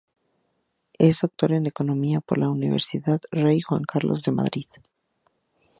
Es doctor en economía por la Universidad Rey Juan Carlos de Madrid.